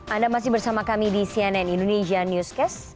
anda masih bersama kami di cnn indonesia newscast